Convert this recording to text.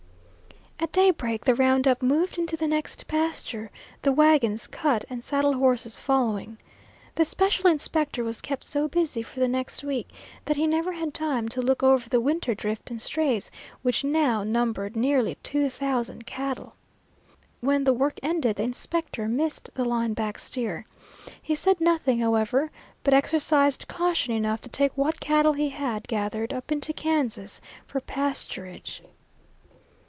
At daybreak the round up moved into the next pasture, the wagons, cut and saddle horses following. The special inspector was kept so busy for the next week that he never had time to look over the winter drift and strays, which now numbered nearly two thousand cattle. When the work ended the inspector missed the line back steer. He said nothing, however, but exercised caution enough to take what cattle he had gathered up into Kansas for pasturage.